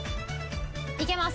いけます。